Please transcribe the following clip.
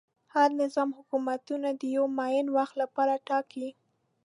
هر نظام حکومتونه د یوه معین وخت لپاره ټاکي.